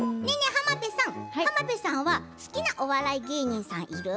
浜辺さんは好きなお笑い芸人さんいる？